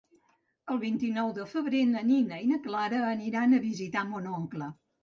El vint-i-nou de febrer na Nina i na Clara aniran a visitar mon oncle.